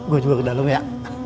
gua juga ke dalem ya